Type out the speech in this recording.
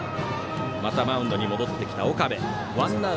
またマウンドに戻ってきた岡部。